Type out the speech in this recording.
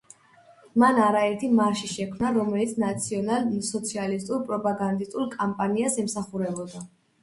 მან არაერთი მარში შექმნა, რომელიც ნაციონალ–სოციალისტურ პროპაგანდისტულ კამპანიას ემსახურებოდა.